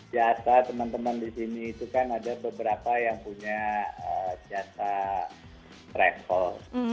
jasa teman teman di sini itu kan ada beberapa yang punya jasa travel